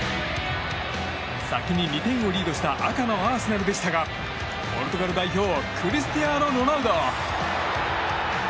先に２点をリードした赤のアーセナルでしたがポルトガル代表クリスティアーノ・ロナウド！